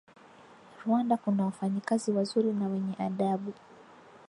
Rwanda kuna wafanyakazi wazuri na wenye adabu